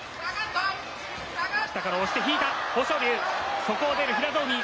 下から押して引いた、豊昇龍、そこを出る平戸海。